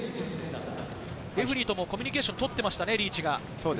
レフェリーともコミュニケーションを取ってましたね、リーチが。